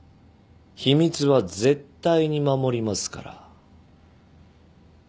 秘密は絶対に守りますから